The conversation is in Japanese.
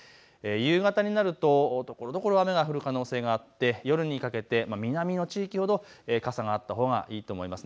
夕方になるとところどころ雨が降る可能性があって、夜にかけて南の地域ほど傘があったほうがいいと思います。